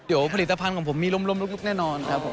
เดี๋ยวผลิตภัณฑ์ของผมมีลมลุกแน่นอนครับผม